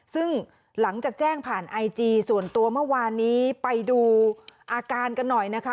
ซึ่งหลังจากแจ้งผ่านไอจีส่วนตัวเมื่อวานนี้ไปดูอาการกันหน่อยนะคะ